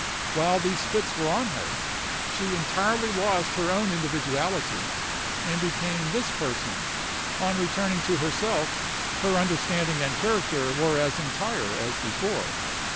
While these fits were on her, she entirely lost her own individuality, and became this person: on returning to herself, her understanding and character were as entire as before.